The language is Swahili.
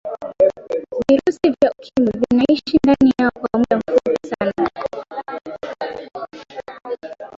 virusi vya ukimwi vinaishi ndani yao kwa muda mfupi sana